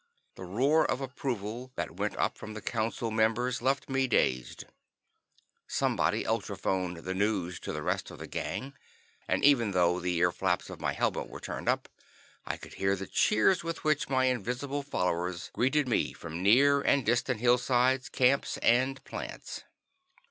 The roar of approval that went up from the Council members left me dazed. Somebody ultrophoned the news to the rest of the Gang, and even though the earflaps of my helmet were turned up, I could hear the cheers with which my invisible followers greeted me, from near and distant hillsides, camps and plants.